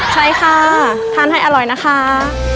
ใช่ค่ะทานให้อร่อยนะคะ